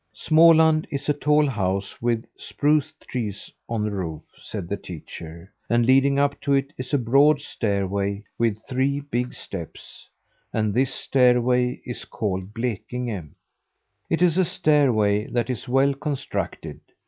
"Småland is a tall house with spruce trees on the roof," said the teacher, "and leading up to it is a broad stairway with three big steps; and this stairway is called Blekinge. It is a stairway that is well constructed.